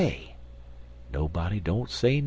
Nobody don't say nuthin'.